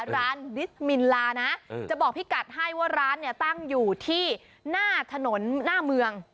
ดิสมินลานะจะบอกพี่กัดให้ว่าร้านเนี่ยตั้งอยู่ที่หน้าถนนหน้าเมือง